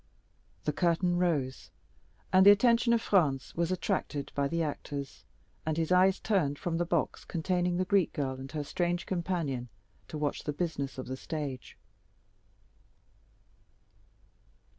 The curtain rose, and the attention of Franz was attracted by the actors; and his eyes turned from the box containing the Greek girl and her strange companion to watch the business of the stage.